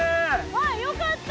あっよかった！